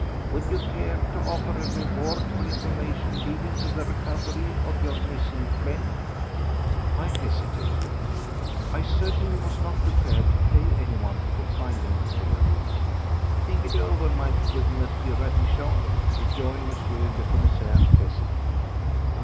Would you care to offer a reward for information leading to the recovery of your missing friend?" I hesitated. I certainly was not prepared to pay anyone for finding Theodore. "Think it over, my good M. Ratichon," rejoined M. le Commissaire pleasantly.